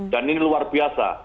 dan ini luar biasa